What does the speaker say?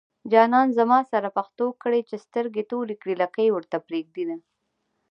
جانان زما سره پښتو کړي چې سترګې توري کړي لکۍ ورته پرېږدينه